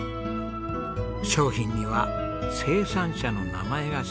商品には生産者の名前が記されています。